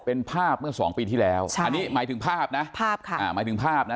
เป็นภาพเมื่อ๒ปีที่แล้วอันนี้หมายถึงภาพนะ